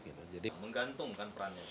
tidak menggantungkan perannya